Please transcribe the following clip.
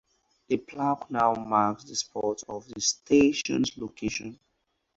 A plaque now marks the spot of the station's location.